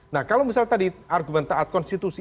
nah kalau misalnya tadi argumen taat konstitusi